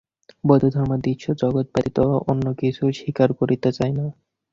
বৌদ্ধধর্ম দৃশ্য জগৎ ব্যতীত অন্য কিছু স্বীকার করিতে চায় না।